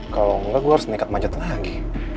kalo engga gue harus nekat majet lagi